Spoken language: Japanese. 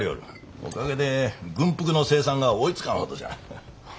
おかげで軍服の生産が追いつかんほどじゃ。